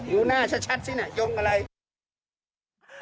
ยิงอะไร